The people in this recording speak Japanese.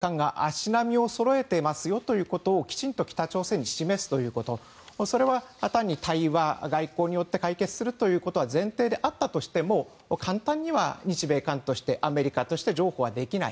北朝鮮政策について日米韓が足並みをそろえていますよということを、きちんと北朝鮮に示すということそれは対話、外交によって解決するということは前提であったとしても簡単には日米韓としてアメリカとして譲歩はできない。